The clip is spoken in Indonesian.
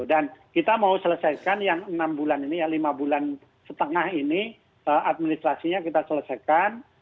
kita mau selesaikan yang enam bulan ini ya lima bulan setengah ini administrasinya kita selesaikan